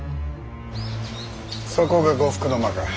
そこが呉服の間か。